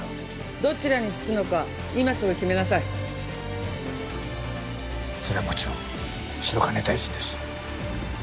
どちらにつくのか今すぐ決めなさいそれはもちろん白金大臣です